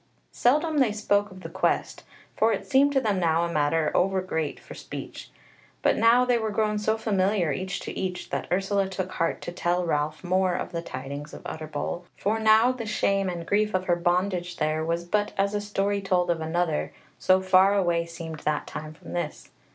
Seldom they spoke of the Quest, for it seemed to them now a matter over great for speech. But now they were grown so familiar each to each that Ursula took heart to tell Ralph more of the tidings of Utterbol, for now the shame and grief of her bondage there was but as a story told of another, so far away seemed that time from this.